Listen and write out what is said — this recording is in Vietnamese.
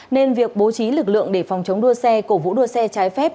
nên việc bố trí lực lượng để phòng chống đua xe cổ vũ đua xe trái phép